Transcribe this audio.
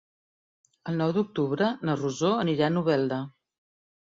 El nou d'octubre na Rosó anirà a Novelda.